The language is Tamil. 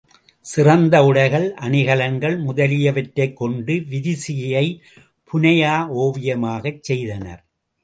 சிறந்த உடைகள், அணிகலன்கள் முதலியவற்றைக் கொண்டு விரிசிகையைப் புனையா ஓவியமாகச் செய்தனர்.